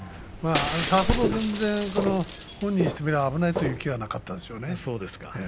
さほど、全然本人にしてみれば、危ないという気はなかったですね。